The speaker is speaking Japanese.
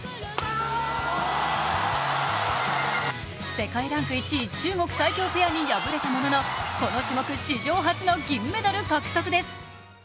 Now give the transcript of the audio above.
世界ランク１位、中国最強ペアに敗れたもののこの種目、史上初の銀メダル獲得です。